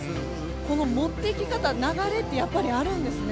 この持っていき方流れってあるんですかね。